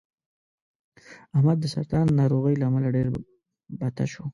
احمد د سرطان ناروغۍ له امله ډېر بته شو